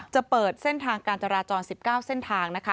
จะเปิดเส้นทางการจราจร๑๙เส้นทางนะคะ